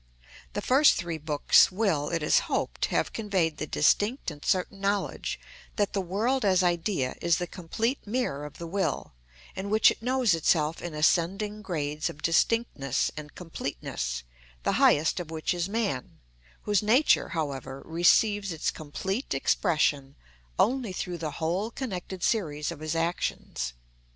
The first three books will, it is hoped, have conveyed the distinct and certain knowledge that the world as idea is the complete mirror of the will, in which it knows itself in ascending grades of distinctness and completeness, the highest of which is man, whose nature, however, receives its complete expression only through the whole connected series of his actions.